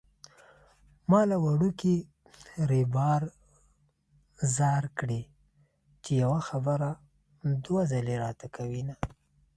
ما له وړوکي ريبار ځار کړې چې يوه خبره دوه ځلې راته کوينه